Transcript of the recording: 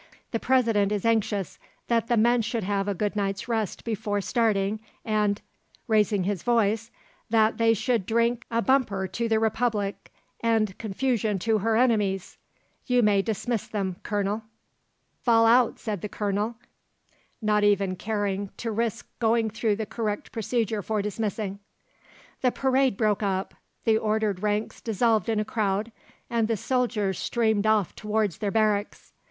The President is anxious that the men should have a good night's rest before starting, and," raising his voice, "that they should drink a bumper to the Republic and confusion to her enemies. You may dismiss them, Colonel." "Fall out," said the Colonel, not even caring to risk going through the correct procedure for dismissing. The parade broke up. The ordered ranks dissolved in a crowd, and the soldiers streamed off towards their barracks.